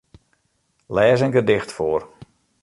Lês in gedicht foar.